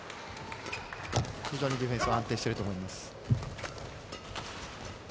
非常にディフェンスは安定してると思います。